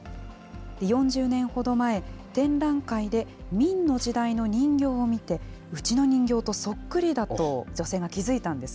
４０年ほど前、展覧会で明の時代の人形を見て、うちの人形とそっくりだと女性が気付いたんです。